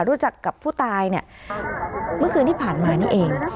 รู้จักกับผู้ตายเนี่ยเมื่อคืนที่ผ่านมานี่เอง